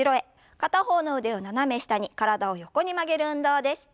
片方の腕を斜め下に体を横に曲げる運動です。